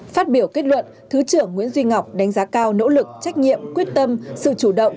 phát biểu kết luận thứ trưởng nguyễn duy ngọc đánh giá cao nỗ lực trách nhiệm quyết tâm sự chủ động